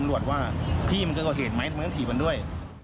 ตำรวจว่าพี่มันเกินกว่าเหตุไหมทำไมต้องถีบมันด้วย